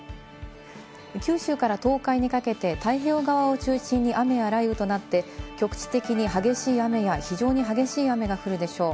九州から東海にかけて太平洋側を中心に雨や雷雨となって、局地的に激しい雨や非常に激しい雨が降るでしょう。